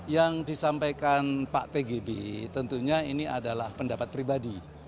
yang disampaikan pak tgb tentunya ini adalah pendapat pribadi